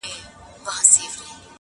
• ښکارول به یې سېلونه د مرغانو -